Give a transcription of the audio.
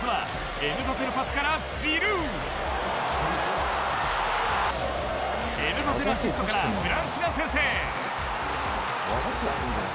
エムバペのアシストからフランスが先制。